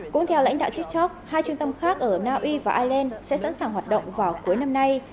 cũng theo lãnh đạo tiktok hai trung tâm khác ở naui và ireland sẽ sẵn sàng hoạt động vào cuối năm nay